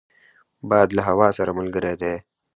باد له هوا سره ملګری دی